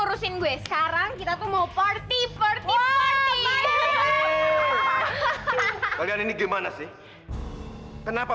urusin gue sekarang kita mau party party party hahaha kalian ini gimana sih kenapa